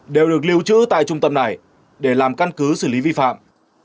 đều được lưu trữ tại trung tâm này để làm căn cứ xử lý vi phạm